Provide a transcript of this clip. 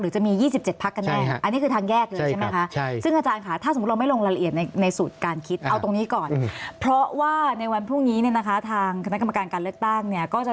จะมี๒๗พักกันแน่อันนี้คือทางแยกเลยใช่ไหมคะ